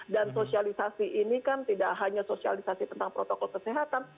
dan sosialisasi ini kan tidak hanya sosialisasi tentang protokol kesehatan